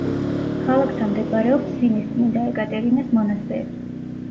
ქალაქთან მდებარეობს სინის წმინდა ეკატერინეს მონასტერი.